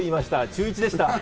中１でした。